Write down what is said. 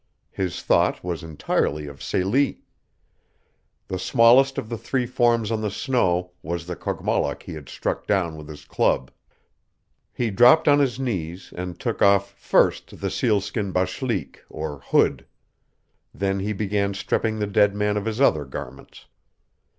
His thought was entirely of Celie. The smallest of the three forms on the snow was the Kogmollock he had struck down with his club. He dropped on his knees and took off first the sealskin bashlyk, or hood. Then he began stripping the dead man of his other garments.